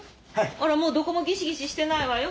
あらもうどこもギシギシしてないわよ。